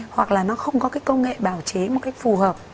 hoặc là nó không có cái công nghệ bào chế một cách phù hợp